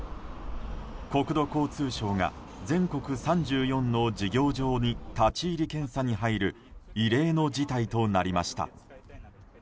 国土交通省が全国３４の事業場に立ち入り検査に入る異例の事態となりました。